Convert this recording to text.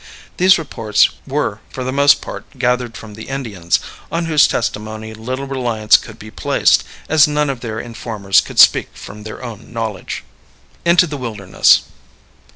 These reports were for the most part gathered from the Indians, on whose testimony little reliance could be placed, as none of their informers could speak from their own knowledge. Into the Wilderness.